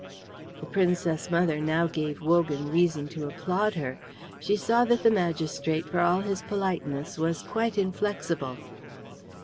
The Princess mother now gave Wogan reason to applaud her. She saw that the magistrate, for all his politeness, was quite inflexible.